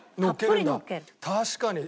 確かに！